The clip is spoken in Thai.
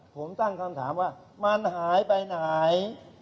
ผมตั้งคำถามว่ามันหายไปไหน